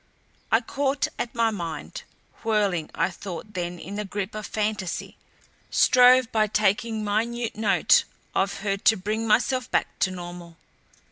I caught at my mind, whirling I thought then in the grip of fantasy; strove by taking minute note of her to bring myself back to normal.